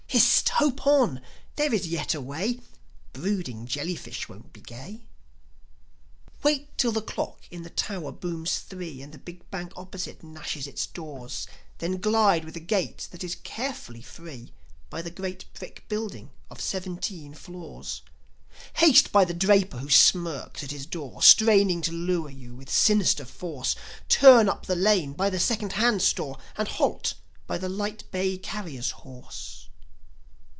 Hist! Hope on! There is yet a way. Brooding jellyfish won't be gay. Wait till the clock in the tower booms three, And the big bank opposite gnashes its doors, Then glide with a gait that is carefully free By the great brick building of seventeen floors; Haste by the draper who smirks at his door, Straining to lure you with sinister force, Turn up the lane by the second hand store, And halt by the light bay carrier's horse.